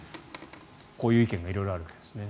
こういう意見が色々あるんですね。